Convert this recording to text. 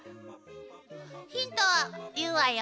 ヒント言うわよ。